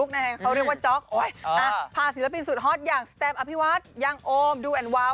เขาเรียกว่าจ๊อกพาศิลปินสุดฮอตอย่างสแตมอภิวัฒน์ยังโอมดูแอนวาว